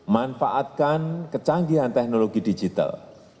manfaatkan kecanggihan teknologi digital